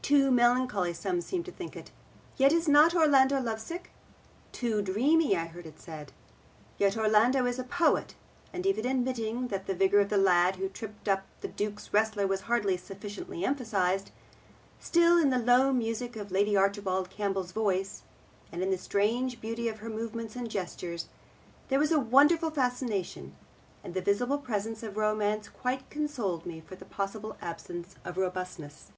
Too melancholy some seemed to think it. Yet is not Orlando lovesick? Too dreamy, I heard it said. Yet Orlando is a poet. And even admitting that the vigour of the lad who tripped up the Duke's wrestler was hardly sufficiently emphasised, still in the low music of Lady Archibald Campbell's voice, and in the strange beauty of her movements and gestures, there was a wonderful fascination, and the visible presence of romance quite consoled me for the possible absence of robustness.